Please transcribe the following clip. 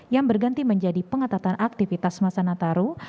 yang berganti menjadi pengetatan aktivitas masa nataru